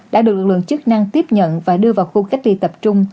đã được lực lượng chức năng tiếp nhận và đưa vào khu cách ly tập trung